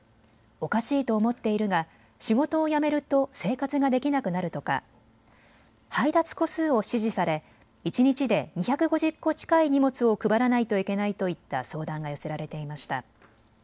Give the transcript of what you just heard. おかしいと思っているが仕事を辞めると生活ができなくなるとか、配達個数を指示され一日で２５０個近い荷物を配らないといけないといった相談が寄せられていました。